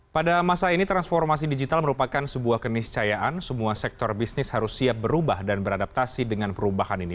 pada masa ini transformasi digital merupakan sebuah keniscayaan semua sektor bisnis harus siap berubah dan beradaptasi dengan perubahan ini